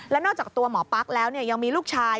แล้วนอกจากตัวหมอปั๊กแล้วยังมีลูกชาย